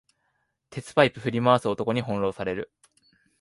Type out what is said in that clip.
鉄パイプ振り回す男に翻弄される